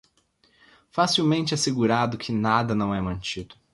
Facilmente assegurado que nada não é mantido.